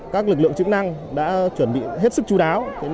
các lực lượng chức năng đã chuẩn bị hết sức chú đáo